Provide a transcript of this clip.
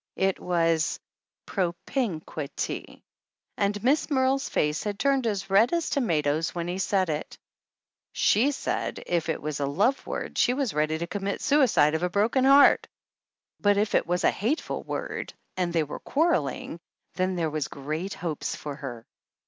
It was pro pm qui ty; and Miss Merle's face had turned as red as tomatoes when he said it. She said if it was a love word she was ready to commit suicide of a broken heart, but if it was a hateful word and they were quarreling, then there was great hopes for her.